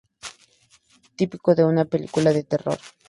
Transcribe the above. Típico de una película de terror.